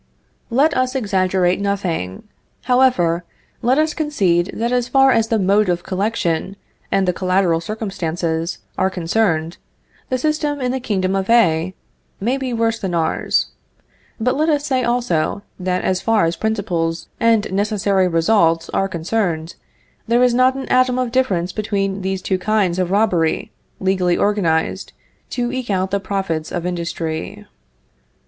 Let us exaggerate nothing, however; let us concede that as far as the mode of collection, and the collateral circumstances, are concerned, the system in the Kingdom of A may be worse than ours; but let us say, also, that as far as principles and necessary results are concerned, there is not an atom of difference between these two kinds of robbery legally organized to eke out the profits of industry.